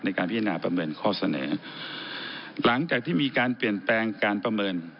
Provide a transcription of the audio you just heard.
การพิจารณาประเมินข้อเสนอหลังจากที่มีการเปลี่ยนแปลงการประเมิน